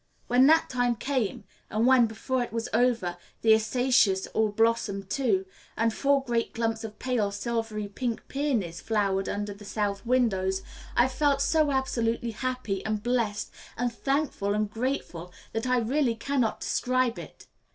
When that time came, and when, before it was over, the acacias all blossomed too, and four great clumps of pale, silvery pink peonies flowered under the south windows, I felt so absolutely happy, and blest, and thankful, and grateful, that I really cannot describe it.